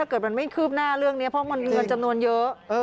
คืบหน้าเรื่องนี้เพราะมันเงินจำนวนเยอะ